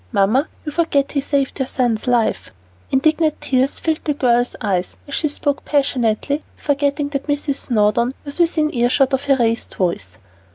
Mamma, you forget he saved your son's life." Indignant tears filled the girl's eyes, and she spoke passionately, forgetting that Mrs. Snowdon was within earshot of her raised voice.